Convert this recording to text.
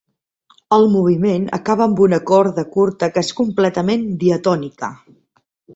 El moviment acaba amb una coda curta que és completament diatònica.